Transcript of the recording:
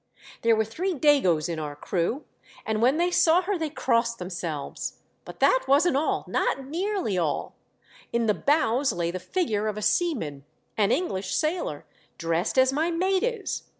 There were three Dagos in our crew, and when they saw her they crossed themselves. But that wasn't all — not nearly all. In the bows lay the figure of a seaman — an English sailor, dressed as my mate is.